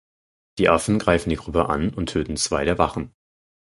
Die Affen greifen die Gruppe an und töten zwei der Wachen.